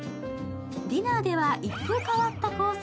ディナーでは一風変わったコース